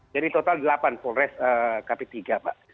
jadi total delapan pores kp tiga pak